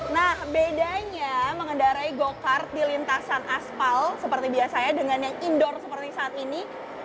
nah bedanya mengendarai go kart di lintasan aspal seperti biasanya dengan yang indoor seperti saat ini